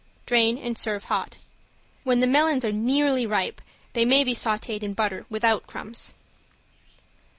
Drain, and serve hot. When the melons are nearly ripe they may be sauted in butter without crumbs.